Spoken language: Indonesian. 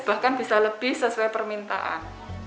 bahkan bisa lebih sesuai permintaan